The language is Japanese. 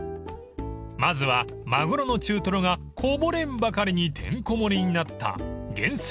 ［まずはマグロの中トロがこぼれんばかりにてんこ盛りになった厳選！